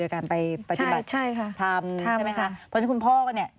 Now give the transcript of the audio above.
การไปปฏิบัติใช่ค่ะทำใช่ไหมคะเพราะฉะนั้นคุณพ่อก็เนี่ย